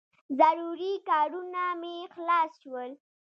ضروري کارونه مې خلاص شول.